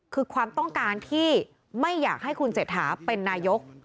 คือความต้องการที่ไม่อยากให้คุณเศรษฐาเป็นนายก